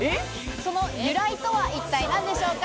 その由来とは一体何でしょうか？